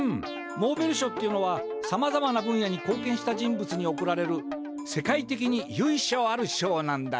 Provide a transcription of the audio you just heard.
モーベル賞っていうのはさまざまな分野にこうけんした人物におくられる世界てきにゆいしょある賞なんだ。